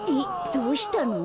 どうしたの？